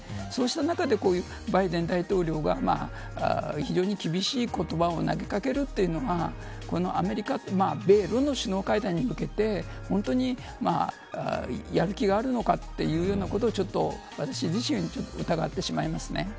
そうした中で、バイデン大統領は非常に厳しい言葉を投げかけるというのは米ロの首脳会談に向けて本当にやる気があるのかということを私自身、疑ってしまいますね。